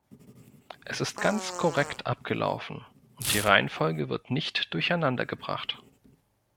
Es ist ganz korrekt abgelaufen, und die Reihenfolge wird nicht durcheinander gebracht.